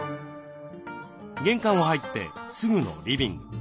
玄関を入ってすぐのリビング。